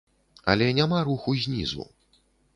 Але няма руху знізу.